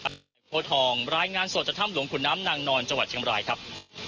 อาทิตย์โค้ชทองรายงานโสดจากถ้ำหลวงขุนน้ำนางนอนจังหวัดชมรายครับ